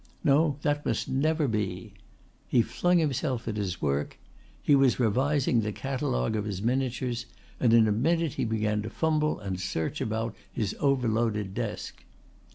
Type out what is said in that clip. No, that must never be. He flung himself at his work. He was revising the catalogue of his miniatures and in a minute he began to fumble and search about his over loaded desk.